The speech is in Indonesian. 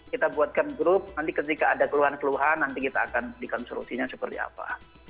kita buatkan grup nanti ketika ada keluhan keluhan nanti kita akan dikonstruksinya seperti apa